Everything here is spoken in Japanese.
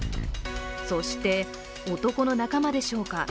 そして男の仲間でしょうか。